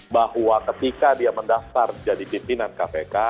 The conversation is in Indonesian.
bahwa ketika dia mendaftar jadi pimpinan kpk